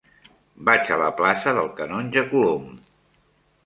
Vaig a la plaça del Canonge Colom.